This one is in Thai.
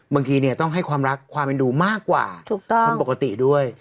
บางทีเนี่ยต้องให้ความรักความเอ็นดูมากกว่าคนปกติด้วย